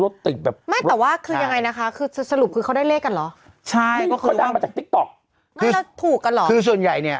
บอกพี่ไปอยู่สิ